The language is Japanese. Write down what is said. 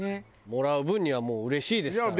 もらう分にはもううれしいですから。